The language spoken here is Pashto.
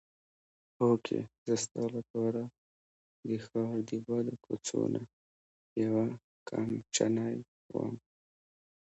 هوکې زه ستا لپاره د ښار د بدو کوڅو نه یوه کمچنۍ وم.